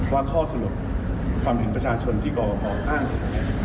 ข้อสรุปความเห็นประชาชนที่กรกภอ้างถึง